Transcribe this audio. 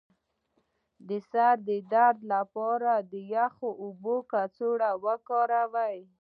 د سر د درد لپاره د یخو اوبو کڅوړه وکاروئ